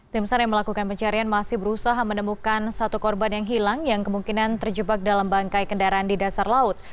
tim sar yang melakukan pencarian masih berusaha menemukan satu korban yang hilang yang kemungkinan terjebak dalam bangkai kendaraan di dasar laut